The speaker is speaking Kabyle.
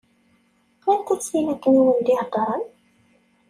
Anta-tt tin akken i wen-d-iheddṛen?